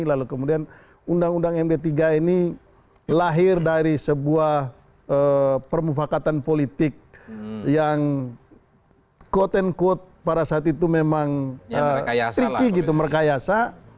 lalu kemudian undang undang md tiga ini lahir dari sebuah permufakatan politik yang quote unquote pada saat itu memang tricky gitu merekayasa